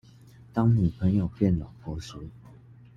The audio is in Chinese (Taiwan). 當女朋友變老婆時